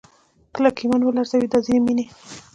کلک ایمان ولړزوي دا ځینې مینې